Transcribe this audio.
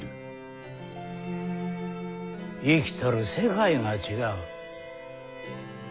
生きとる世界が違う。